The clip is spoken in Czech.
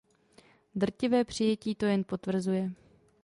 Drtivé přijetí to jen potvrzuje.